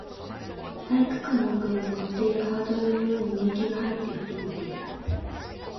体育倉庫の奥で眠っているハードルのように年季が入って、古びていた